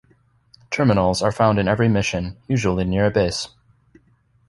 Terminals are found in every mission, usually near a base.